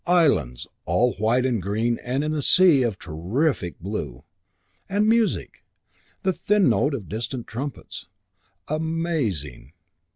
Islands, all white and green and in a sea of terrific blue.... And music, the thin note of distant trumpets.... Amazing!